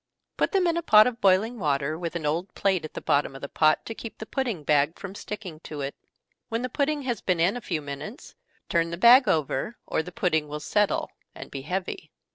Put them in a pot of boiling water, with an old plate at the bottom of the pot, to keep the pudding bag from sticking to it. When the pudding has been in a few minutes, turn the bag over, or the pudding will settle, and be heavy.